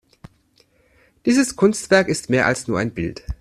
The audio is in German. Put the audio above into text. Dieses Kunstwerk ist mehr als nur ein Bild.